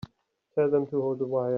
Tell them to hold the wire.